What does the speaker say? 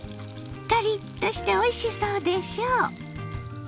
カリッとしておいしそうでしょ！